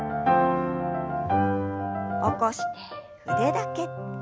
起こして腕だけ。